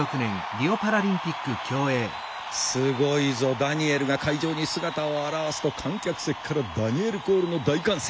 すごいぞダニエルが会場に姿を現すと観客席からダニエルコールの大歓声！